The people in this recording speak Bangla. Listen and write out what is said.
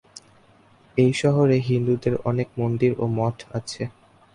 এই শহরে হিন্দুদের অনেক মন্দির ও মঠ আছে।